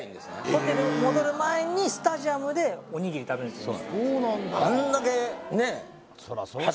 ホテル戻る前にスタジアムでおにぎり食べるんですよ